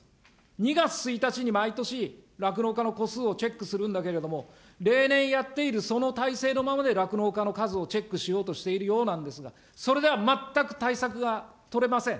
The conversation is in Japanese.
２月１日に毎年、酪農家の戸数をチェックするんだけれども、例年やっているその体制のままで酪農家の数をチェックしようとしているようなんですが、それでは全く対策が取れません。